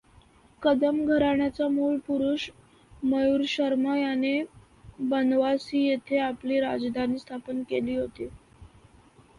कदंब घराण्याचा मूळ पुरुष मयूरशर्मा याने बनावासी येथे आपली राजधानी स्थापन केली होती.